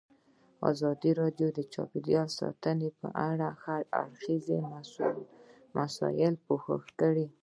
ازادي راډیو د چاپیریال ساتنه په اړه د هر اړخیزو مسایلو پوښښ کړی.